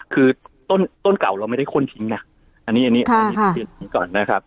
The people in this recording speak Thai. คือต้นเก่าเราไม่ได้ข้นทิ้งนะอันนี้อันนี้ก่อนนะครับ